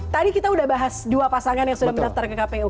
tadi kita sudah bahas dua pasangan yang sudah mendaftar ke kpu